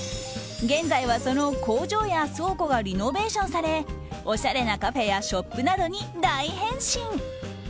現在は、その工場や倉庫がリノベーションされおしゃれなカフェやショップなどに大変身。